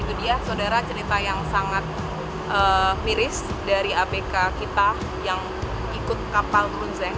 itu dia saudara cerita yang sangat miris dari apk kita yang ikut kapal kerun seng